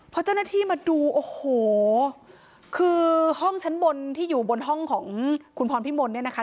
พอเจ้าหน้าที่มาดูโอ้โหคือห้องชั้นบนที่อยู่บนห้องของคุณพรพิมลเนี่ยนะคะ